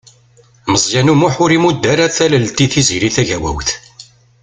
Meẓyan U Muḥ ur imudd ara tallelt i Tiziri Tagawawt.